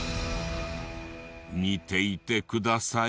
見ていてください。